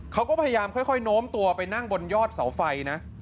เขาก็พยายามค่อยโน้มตัวไปนั่งบนยอดเสาไฟนะ